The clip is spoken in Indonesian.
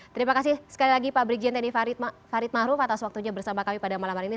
terima kasih sekali lagi pak brigjen teni farid maruf atas waktunya bersama kami pada malam hari ini